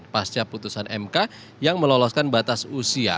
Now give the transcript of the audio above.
pasca putusan mk yang meloloskan batas usia